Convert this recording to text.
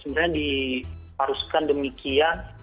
sebenarnya diharuskan demikian